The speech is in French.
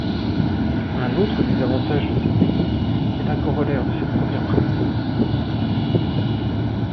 Un autre des avantages de cette technique est un corollaire de cette première prémisse.